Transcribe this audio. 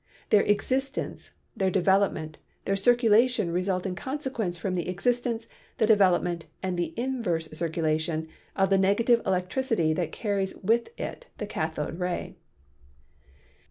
Their existence, their development, their circulation result in consequence from the existence^ the development and the inverse circulation of the negative electricity that car ries with it the cathode ray.